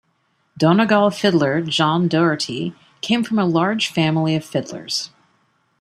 Donegal fiddler John Doherty came from a large family of fiddlers.